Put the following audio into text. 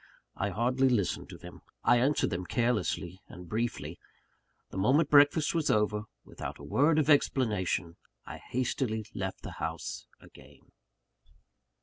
I hardly listened to them; I answered them carelessly and briefly. The moment breakfast was over, without a word of explanation I hastily left the house again.